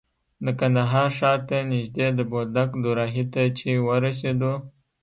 د کندهار ښار ته نژدې د بولدک دوراهي ته چې ورسېدو.